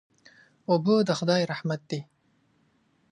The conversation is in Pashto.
اوبه د خدای رحمت دی.